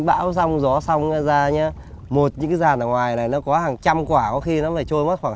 bão xong gió xong ra một những cái giàn ở ngoài này nó có hàng trăm quả có khi nó phải trôi mất khoảng